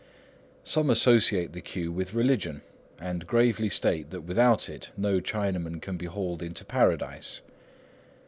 Some associate the queue with religion, and gravely state that without it no Chinaman could be hauled into Paradise.